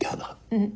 うん。